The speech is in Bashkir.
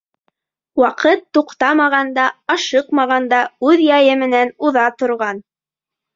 Ваҡыт туҡтамаған да, ашыҡмаған да, үҙ яйы менән уҙа торған.